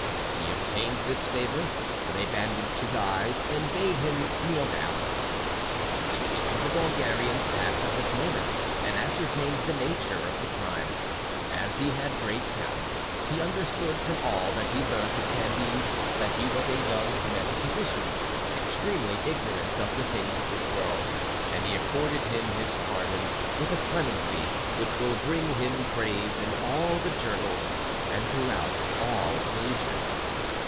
He obtained this favour; they bandaged his eyes, and bade him kneel down. The King of the Bulgarians passed at this moment and ascertained the nature of the crime. As he had great talent, he understood from all that he learnt of Candide that he was a young metaphysician, extremely ignorant of the things of this world, and he accorded him his pardon with a clemency which will bring him praise in all the journals, and throughout all ages.